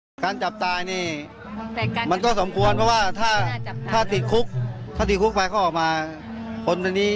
ลูกสาวเราแบบว่าแรงมากรักไม่ได้